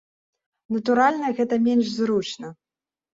Натуральна, гэта менш зручна.